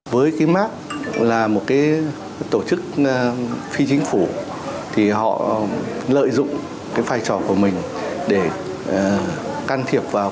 với cái mark là một cái tổ chức phi chính phủ thì họ lợi dụng cái vai trò của mình để can thiệp vào